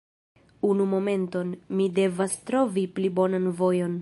Unu momenton, mi devas trovi pli bonan vojon